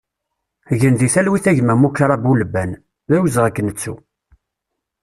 Gen di talwit a gma Mukrab Ulban, d awezɣi ad k-nettu!